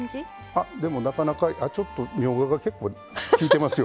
あっでもなかなかちょっとみょうがが結構きいてますよね。